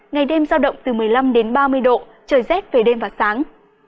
ngày đêm giao động từ một mươi năm đến ba mươi độ trời rét về đêm và sáng